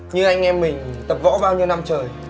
như anh em mình tập võ bao nhiêu năm trời